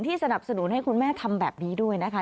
สนับสนุนให้คุณแม่ทำแบบนี้ด้วยนะคะ